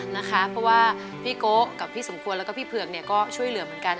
เพราะว่าพี่โกะกับพี่สมควรแล้วก็พี่เผือกก็ช่วยเหลือเหมือนกัน